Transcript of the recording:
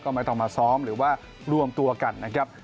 ไม่ต้องมาซ้อมหรือว่ารวมตัวกันนะครับ